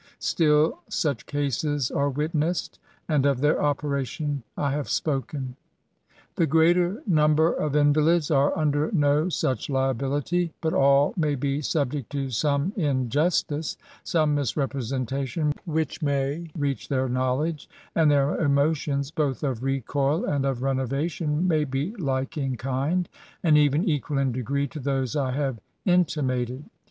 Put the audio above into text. Still, such cases are witnessed ; and of their operation I have spoken. The greater number of invalids are under no such liability; but all may be subject to some injustice, — some misrepresentation which may reach their knowledge ; and their emotions, both of recoil and of renovation, may be like in kind, and even equal in degree, to those I have inti mated.